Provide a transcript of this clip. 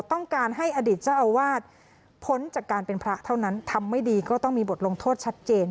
ต้องการให้อดีตเจ้าอาวาสพ้นจากการเป็นพระเท่านั้นทำไม่ดีก็ต้องมีบทลงโทษชัดเจน